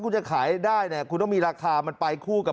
คุณจะขายของคุณภาพสวนทางกับราคา